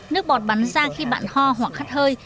nước bọt bắn ra khi bạn ho hoặc khắt hơi